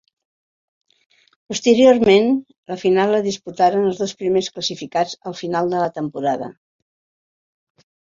Posteriorment la final la disputaren els dos primers classificats al final de la temporada.